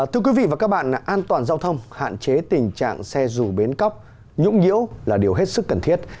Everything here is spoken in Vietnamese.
thưa quý vị và các bạn an toàn giao thông hạn chế tình trạng xe dù bến cóc nhũng nhiễu là điều hết sức cần thiết